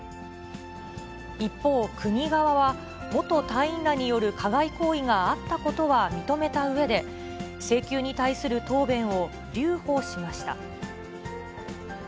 一方、国側は元隊員らによる加害行為があったことは認めたうえで、請求に対する答弁を留保しました。